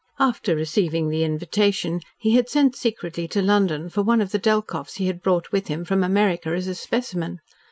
After receiving the invitation he had sent secretly to London for one of the Delkoffs he had brought with him from America as a specimen.